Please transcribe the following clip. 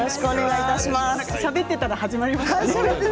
しゃべっていたら始まりましたね。